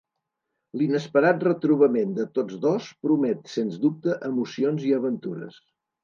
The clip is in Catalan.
L'inesperat retrobament de tots dos promet, sens dubte, emocions i aventures.